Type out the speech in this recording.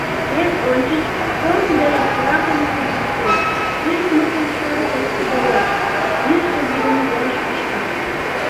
Эн ончыч, корно дене пуракым тӱргыктен, Юрикмытын шорыкышт кудалеш, йӱштӧ вӱдым йӱаш вашка.